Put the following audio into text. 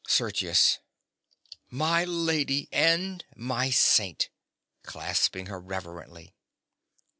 SERGIUS. My lady, and my saint! (_Clasping her reverently.